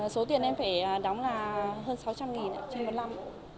số tiền em phải đóng là hơn sáu trăm linh trên một năm